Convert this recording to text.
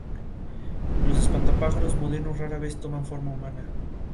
Los espantapájaros modernos rara vez toman forma humana.